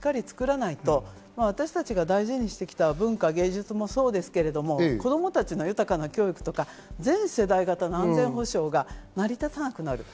強い経済というのをしっかり作らないと、私たちが大事にしてきた文化・芸術もそうですけど、子供たちの豊かな教育とか、全世代型の安全保障が成り立たなくなる。